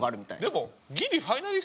でも。